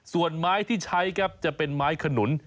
ผ่านไม้ที่ใช้ก็จะเป็นไม้ขนุน